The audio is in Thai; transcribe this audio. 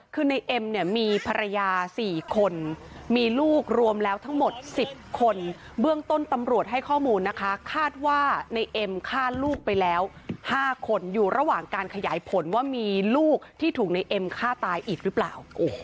คือในเอ็มเนี่ยมีภรรยา๔คนมีลูกรวมแล้วทั้งหมด๑๐คนเบื้องต้นตำรวจให้ข้อมูลนะคะคาดว่าในเอ็มฆ่าลูกไปแล้ว๕คนอยู่ระหว่างการขยายผลว่ามีลูกที่ถูกในเอ็มฆ่าตายอีกหรือเปล่า